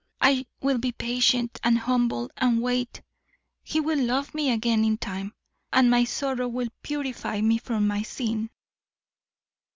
I will be patient and humble, and wait. He will love me again in time, and my sorrow will purify me from my sin."